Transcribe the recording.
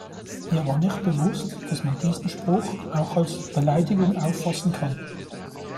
Mir war nicht bewusst, dass man diesen Spruch auch als Beleidigung auffassen kann.